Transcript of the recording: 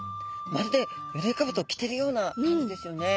まるでよろいかぶとを着てるような感じですよね。